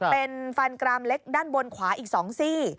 เป็นฟันกรามเล็กด้านบนขวาอีก๒ซี่